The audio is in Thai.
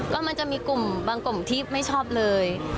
ก็มันจะมีกลุ่มบางกลุ่มที่ไม่ชอบเลย